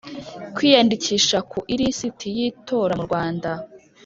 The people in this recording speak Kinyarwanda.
Kwiyandikisha ku ilisiti y itora mu Rwanda